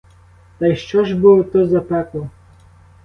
Та й що ж бо то за пекло?